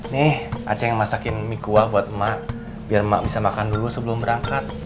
nih aceh yang masakin mie kuah buat emak biar emak bisa makan dulu sebelum berangkat